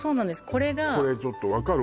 これがこれちょっと分かる？